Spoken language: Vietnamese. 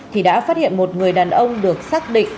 thì đã phát hiện một người đàn ông được xác định